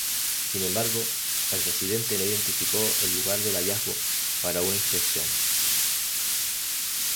Sin embargo, el residente no identificó el lugar del hallazgo para una inspección.